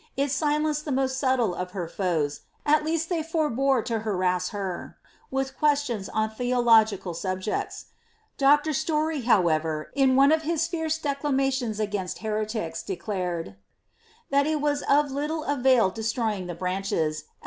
It silenced the most subtle of her foes, It least they forbore to harass her, with questions on theological sub jects. Dr. Storey, however, in one of his fierce declamations against heretics, declared ^ that it was of little avail destroying the branches, as Ion?